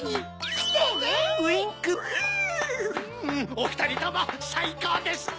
おふたりともさいこうですぞ！